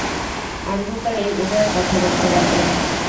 অন্ধকারেই উভয়ে কথা বলতে লাগলেন।